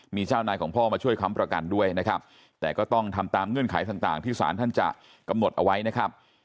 มีเจ้านายของพ่อมาช่วยค้ำประกันด้วยนะครับแต่ก็ต้องทำตามเงื่อนไขต่างที่สารท่านจะกำหนดเอาไว้นะครับ